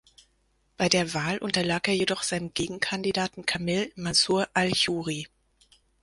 Bei der Wahl unterlag er jedoch seinem Gegenkandidaten Camille Mansur al-Churi.